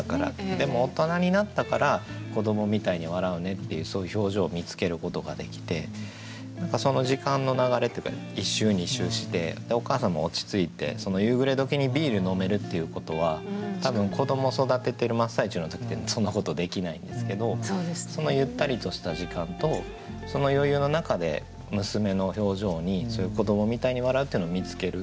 でも大人になったから「子どもみたいに笑ふね」っていうそういう表情を見つけることができて何かその時間の流れっていうか１周２周してお母さんも落ち着いて夕暮れ時にビール飲めるっていうことは多分子ども育ててる真っ最中の時ってそんなことできないんですけどそのゆったりとした時間とその余裕の中で娘の表情にそういう「子どもみたいに笑ふ」っていうのを見つける。